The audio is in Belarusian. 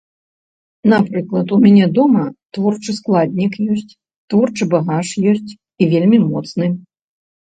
Напрыклад у мяне дома творчы складнік ёсць, творчы багаж ёсць і вельмі моцны.